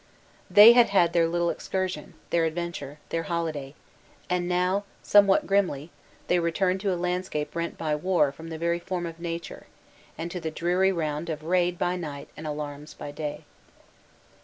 They had had their little excursion, their adventure, their holiday, and now, some what grimly, they returned to a landscape rent by war from the very form of nature, and to the dreary round of raid by night and alarums by day.